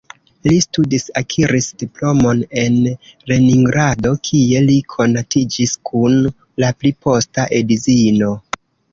Li studis, akiris diplomon en Leningrado, kie li konatiĝis kun la pli posta edzino.